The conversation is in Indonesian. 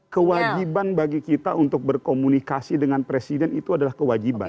kewajiban bagi kita untuk berkomunikasi dengan presiden itu adalah kewajiban